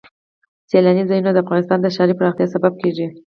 سیلانی ځایونه د افغانستان د ښاري پراختیا سبب کېږي.